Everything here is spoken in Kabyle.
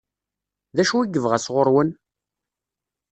D acu i yebɣa sɣur-wen?